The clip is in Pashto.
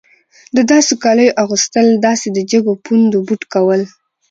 د داسې کالیو اغوستل داسې د جګو پوندو بوټ کول.